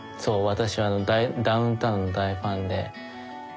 私はダウンタウンの大ファンで。